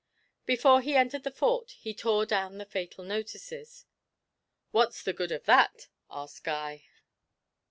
Before he entered the fort he tore down the fatal notices. 'What's the good of that?' asked Guy.